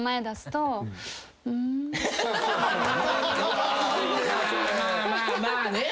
まあまあまあね。